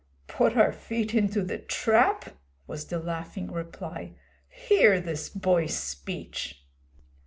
'Put our feet into the trap?' was the laughing reply. 'Hear this boy's speech!'